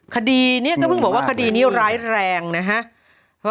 คดีก็ฟิวบอกว่าคดีนี้ร้ายแรงแล้ว